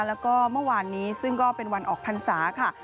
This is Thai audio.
แล้วก็เมื่อวานนี้ซึ่งก็เป็นวันออกพรรษาค่ะ